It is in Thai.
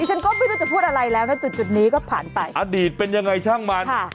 ฉันก็ไม่รู้จะพูดอะไรแล้วนะจุดจุดนี้ก็ผ่านไปอดีตเป็นยังไงช่างมันค่ะ